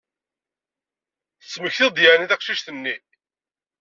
Tettmektiḍ-d yeɛni taqcict-nni?